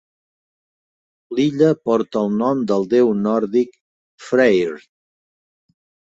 L'illa porta el nom del déu nòrdic Freyr.